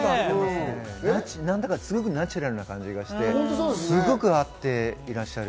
何だかすごくナチュラルな感じがして、すごく合っていらっしゃる。